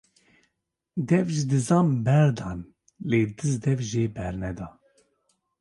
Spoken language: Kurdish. Dev ji dizan berdan lê diz dev jê bernade